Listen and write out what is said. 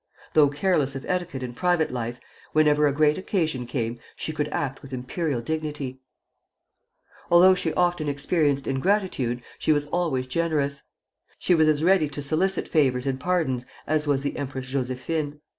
Though careless of etiquette in private life, whenever a great occasion came, she could act with imperial dignity. [Footnote 2: Pierre de Lano.] Although she often experienced ingratitude, she was always generous. She was as ready to solicit favors and pardons as was the Empress Josephine.